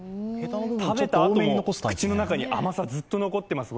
食べたあとも口の中に甘さ、ずっと残ってます。